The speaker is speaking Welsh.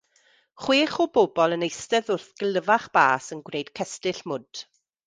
Chwech o bobl yn eistedd wrth gilfach bas yn gwneud cestyll mwd.